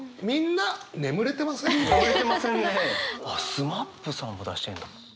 ＳＭＡＰさんも出してるんだ。